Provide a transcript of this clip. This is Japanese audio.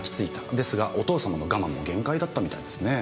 ですがお父様の我慢も限界だったみたいですねぇ。